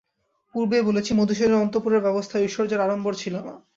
পূর্বেই বলেছি, মধুসূদনের অন্তঃপুরের ব্যবস্থায় ঐশ্বর্যের আড়ম্বর ছিল না।